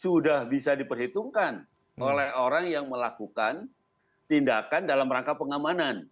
sudah bisa diperhitungkan oleh orang yang melakukan tindakan dalam rangka pengamanan